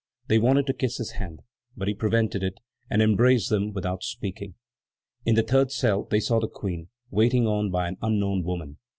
They wanted to kiss his hand, but he prevented it, and embraced them without speaking. In the third cell they saw the Queen, waited on by an unknown woman.